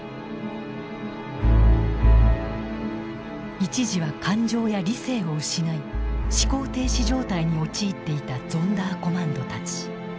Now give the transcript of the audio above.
一時は感情や理性を失い思考停止状態に陥っていたゾンダーコマンドたち。